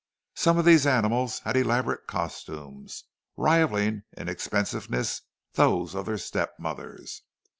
Some of these animals had elaborate costumes, rivalling in expensiveness those of their step mothers.